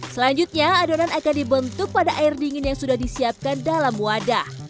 selanjutnya adonan akan dibentuk pada air dingin yang sudah disiapkan dalam wadah